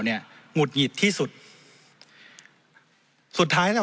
เจ้าแม่แกเพื่อศาลที่ก็